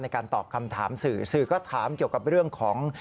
การตอบคำถามสื่อสื่อก็ถามเกี่ยวกับเรื่องของ